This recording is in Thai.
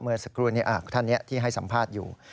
เมื่อสักครู่นี้ท่านนี้ที่ให้สัมภาษณ์อยู่